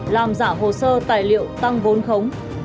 làm giả hồ sơ tài liệu tăng vốn khống